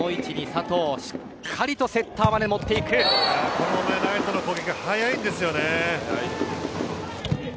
このライトの攻撃が速いんですよね。